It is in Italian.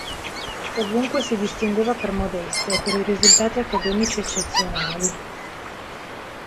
Ovunque si distingueva per modestia e per i risultati accademici eccezionali.